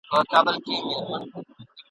محفل ته خاندې پخپله ژاړې !.